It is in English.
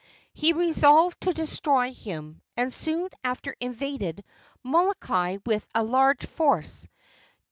He resolved to destroy him, and soon after invaded Molokai with a large force.